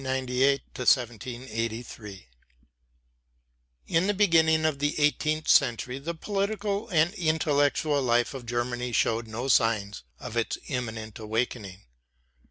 JOHANN JAKOB BODMER (1698 1783) In the beginning of the eighteenth century, the political and intellectual life of Germany showed no signs of its imminent awakening.